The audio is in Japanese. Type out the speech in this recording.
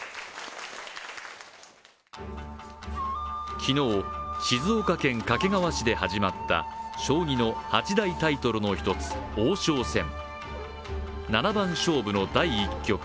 昨日、静岡県掛川市で始まった将棋の八大タイトルの１つ、王将戦七番勝負の第１局。